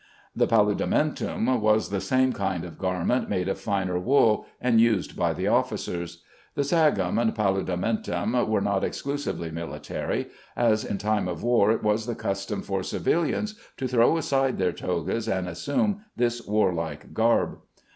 The "paludamentum" was the same kind of garment, made of finer wool, and used by the officers. The sagum and paludamentum were not exclusively military, as in time of war it was the custom for civilians to throw aside their togas and assume this war like garb.